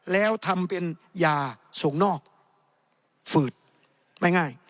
แล้วทำเป็นยาส่งนอกฝืดไม่ง่าย